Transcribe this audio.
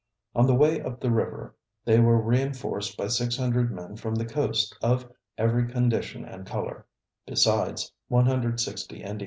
On the way up the river, they were reinforced by 600 men from the coast of "every condition and color," besides 160 Indians.